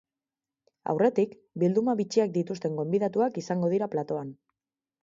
Aurretik, bilduma bitxiak dituzten gonbidatuak izango dira platoan.